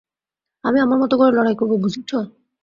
আমি আমার মতো করে লড়াই করব, বুঝেছ?